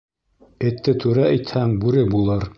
Этте түрә итһәң, бүре булыр.